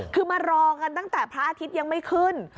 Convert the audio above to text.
คือมารอกันตั้งแต่พระอาทิตย์ยังไม่ขึ้น